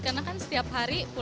karena kan setiap hari